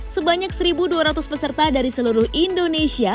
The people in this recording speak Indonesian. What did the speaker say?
sebanyak satu dua ratus peserta dari seluruh indonesia